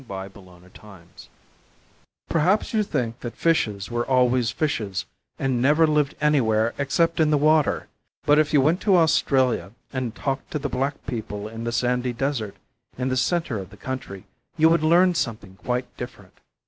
A Fish Story Perhaps you think that fishes were always fishes, and never lived anywhere except in the water, but if you went to Australia and talked to the black people in the sandy desert in the centre of the country, you would learn something quite different.